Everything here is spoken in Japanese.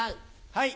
はい。